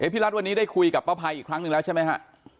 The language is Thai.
พี่รัฐวันนี้ได้คุยกับป้าภัยอีกครั้งหนึ่งแล้วใช่ไหมฮะ